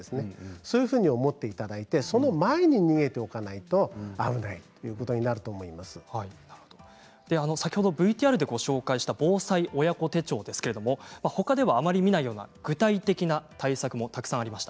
そういうふうに思ってその前に逃げておかないと危ないＶＴＲでご紹介した防災おやこ手帳ですがほかではあまり見ないような具体的な対策もたくさんありました。